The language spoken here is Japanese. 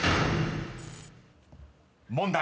［問題］